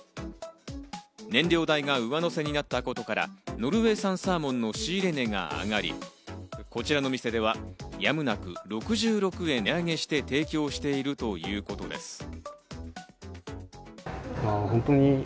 燃料代が上乗せになったことからノルウェー産サーモンの仕入れ値が上がり、こちらの店ではやむなく６６円値上げして提供しているということです。